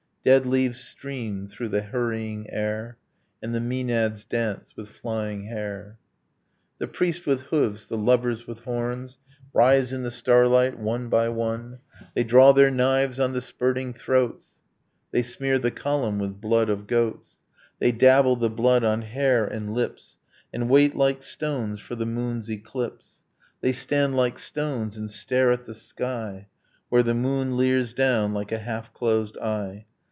Dead leaves stream through the hurrying air And the maenads dance with flying hair. The priests with hooves, the lovers with horns, Rise in the starlight, one by one, They draw their knives on the spurting throats, They smear the column with blood of goats, They dabble the blood on hair and lips And wait like stones for the moon's eclipse. They stand like stones and stare at the sky Where the moon leers down like a half closed eye.